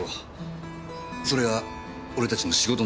それが俺たちの仕事なんです。